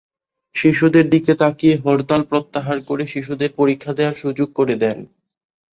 শিশুদের দিকে তাকিয়ে হরতাল প্রত্যাহার করে শিশুদের পরীক্ষা দেওয়ার সুযোগ করে দেন।